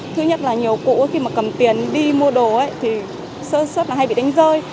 thứ nhất là nhiều cụ khi mà cầm tiền đi mua đồ thì sớt sớt là hay bị đánh rơi